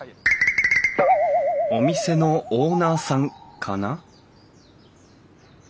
お店のオーナーさんかな？